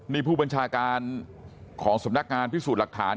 นี่ผู้บัญชาการของสำนักงานพิสูจน์หลักฐาน